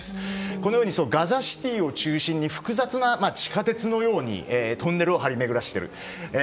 このようにガザシティを中心に複雑な地下鉄のようにトンネルを張り巡らされている。